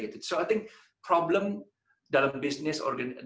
jadi saya pikir masalah dalam bisnis